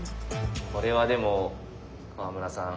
これはでも川村さん